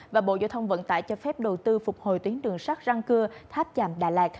và bộ giao thông vận tải cho phép đầu tư phục hồi tuyến đường sắt răng cưa tháp chạm đà lạt